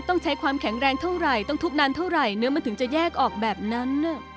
ต้องใช้ความแข็งแรงเท่าไหร่ต้องทุบนานเท่าไหร่เนื้อมันถึงจะแยกออกแบบนั้น